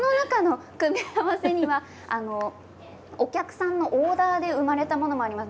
その中にはお客さんのオーダーで生まれたものもあります。